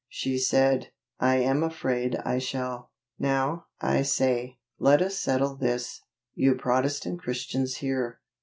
'" She said, "I am afraid I shall." Now, I say, let us settle this, you Protestant Christians here.